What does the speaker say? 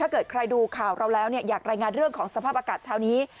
เกิดใครดูข่าวเราแล้วอยากรายงานเรื่องของสภาพอากาศเช้านี้